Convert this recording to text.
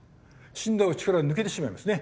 死んだ方は力が抜けてしまいますね。